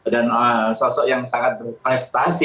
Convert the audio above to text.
dan sosok yang sangat berprestasi